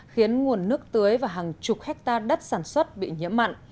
khiến nguồn nước tưới và hàng chục hectare đất sản xuất bị nhiễm mặn